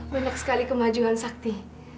banyak sekali kemajuan sakti